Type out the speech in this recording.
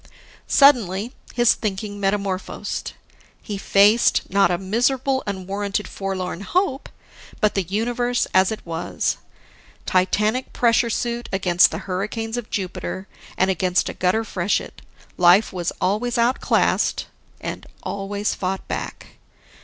Suddenly, his thinking metamorphosed: He faced, not a miserable, unwarranted forlorn hope, but the universe as it was. Titanic pressure suit against the hurricanes of Jupiter, and against a gutter freshet, life was always outclassed and always fought back.